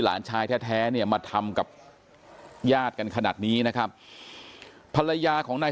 หลานชายแท้เนี่ยมาทำกับญาติกันขนาดนี้นะครับภรรยาของนาย